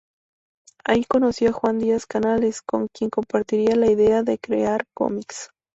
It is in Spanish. Ahí conoció a Juan Díaz Canales, con quien compartía la idea de crear cómics.